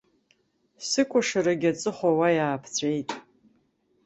Сыкәашарагьы аҵыхәа уа иааԥҵәеит.